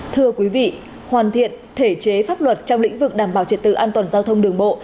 thưa quý vị hoàn thiện thể chế pháp luật trong lĩnh vực đảm bảo trật tự an toàn giao thông đường bộ